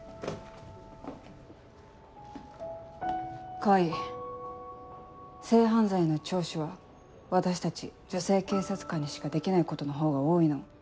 川合性犯罪の聴取は私たち女性警察官にしかできないことのほうが多いの。